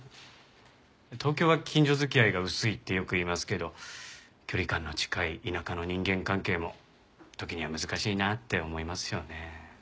東京は近所付き合いが薄いってよく言いますけど距離感の近い田舎の人間関係も時には難しいなって思いますよね。